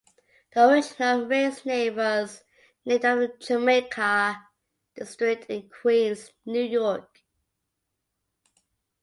The original race name was named after the Jamaica District in Queens, New York.